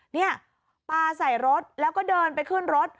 นี่ปลาใส่รถแล้วก็เดินไปขึ้นรถ